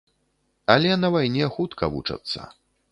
Але на вайне хутка вучацца.